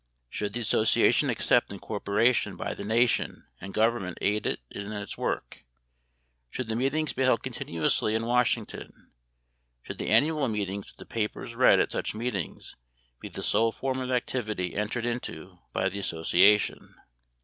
Should the association accept incorporation by the nation and government aid in its work? Should the meetings be held continuously in Washington? Should the annual meetings with the papers read at such meetings be the sole form of activity entered into by the association?